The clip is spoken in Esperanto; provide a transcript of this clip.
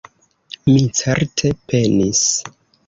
Mi, certe, penis.